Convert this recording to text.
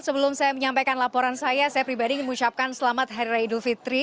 sebelum saya menyampaikan laporan saya saya pribadi mengucapkan selamat hari raya idul fitri